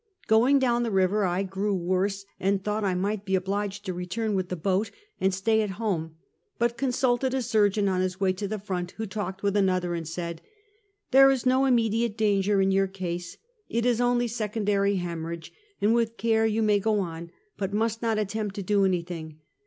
Going down the river I grew worse, and thought I might be obliged to return with the boat, and stay at home; but consulted a surgeon on his way to the front, who talked with another, and said: " There is no immediate danger in your case. It is only secondary hemorrhage; and with care you may go on, but must not attempt to do anything.